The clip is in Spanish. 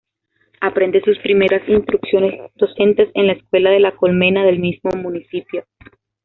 Aprende sus primeras instrucciones docentes en la escuela La Colmena del mismo Municipio.